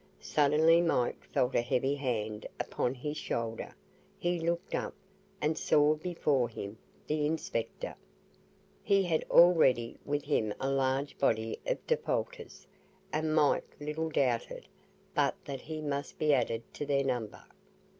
Suddenly Mike felt a heavy hand upon his shoulder: he looked up, and saw before him the inspector. He had already with him a large body of defaulters, and Mike little doubted but that he must be added to their number.